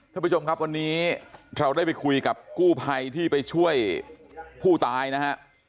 ท่านผู้ชมครับวันนี้เราได้ไปคุยกับกู้ภัยที่ไปช่วยผู้ตายนะฮะ